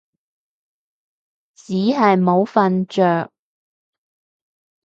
只係冇瞓着